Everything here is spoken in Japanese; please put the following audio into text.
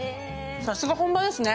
さすが本場ですね。